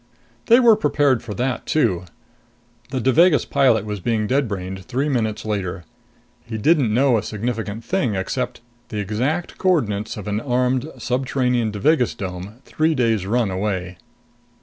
They were prepared for that, too. The Devagas pilot was being dead brained three minutes later. He didn't know a significant thing except the exact coordinates of an armed, subterranean Devagas dome, three days' run away.